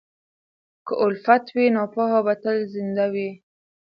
که الفت وي، نو پوهه به تل زنده وي.